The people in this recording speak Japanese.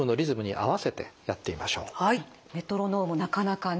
メトロノームなかなかね